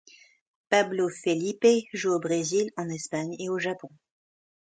Pablo Felipe joue au Brésil, en Espagne et au Japon.